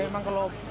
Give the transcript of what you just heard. tapi memang kalau